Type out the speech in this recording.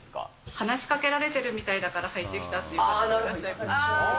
話しかけられてるみたいだから入ってきたっていうお客さんもいました。